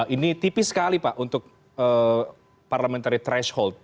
ini tipis sekali pak untuk parliamentary threshold